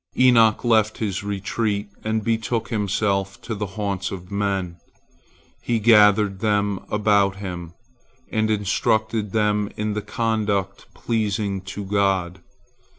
Enoch left his retreat and betook himself to the haunts of men. He gathered them about him, and instructed them in the conduct pleasing to God.